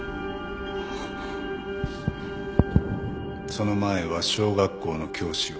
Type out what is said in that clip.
その前は小学校の教師を。